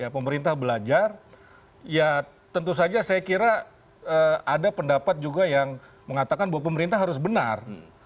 pemerintah belajar ya tentu saja saya kira ada pendapat juga yang mengatakan bahwa pemerintah harus benar